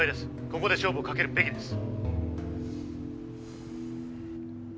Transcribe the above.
ここで勝負をかけるべきです